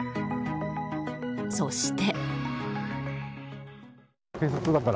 そして。